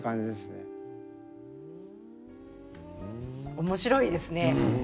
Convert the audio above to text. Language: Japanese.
おもしろいですね。